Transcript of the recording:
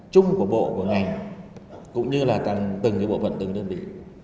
trung của bộ của ngành cũng như là từng bộ phận từng đơn vị